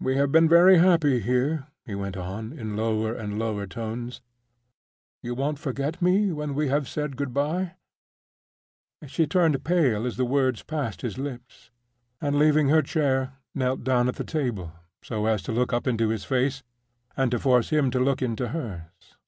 "We have been very happy here," he went on, in lower and lower tones. "You won't forget me when we have said good by?" She turned pale as the words passed his lips, and, leaving her chair, knelt down at the table, so as to look up into his face, and to force him to look into hers.